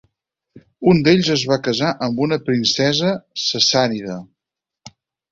Un d'ells es va casar amb una princesa sassànida.